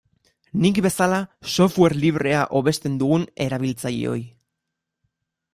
Nik bezala software librea hobesten dugun erabiltzaileoi.